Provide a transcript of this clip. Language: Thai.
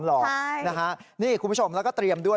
หลอกนะครับนี่คุณผู้ชมแล้วก็เตรียมด้วย